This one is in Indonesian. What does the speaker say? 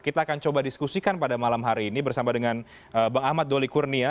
kita akan coba diskusikan pada malam hari ini bersama dengan bang ahmad doli kurnia